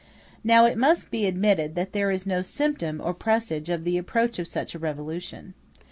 Now, it must be admitted that there is no symptom or presage of the approach of such a revolution.